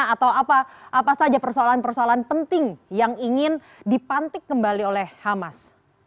atau apa saja persoalan persoalan penting yang ingin dipantik kembali oleh hamas